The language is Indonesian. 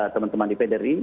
teman teman di pdri